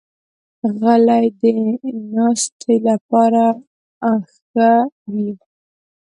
غلۍ د ناستې لپاره ښه وي.